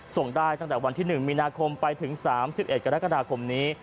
ส่งได้ตั้งแต่วันที่๑มีนาคมไปถึง๓๑กรกฎาคมนี้